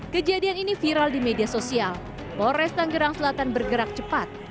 kejadian ini viral di media sosial pondok jagung timur serpau utara bergerak cepat